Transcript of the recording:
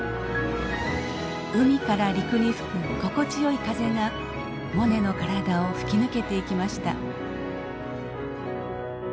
海から陸に吹く心地よい風がモネの体を吹き抜けていきました。